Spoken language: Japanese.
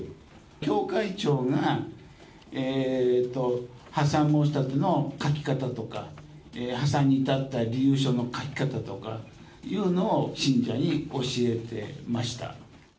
教会長が破産申し立ての書き方とか、破産に至った理由書の書き方というのを信者に教えてました。